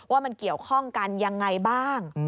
ว่ามันเกี่ยวข้องกันยังไงบ้าง